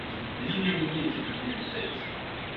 L'ignominie était devenue une fête ;